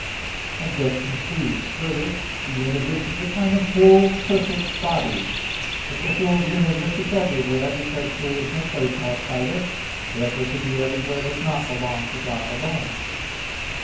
Obj. 3: Further, the universe is a kind of "whole perfect body" (Coel. et Mund. i). But the whole universe is everywhere, because there is no place outside it. Therefore to be everywhere does not belong to God alone.